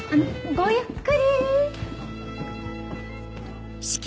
ごゆっくり。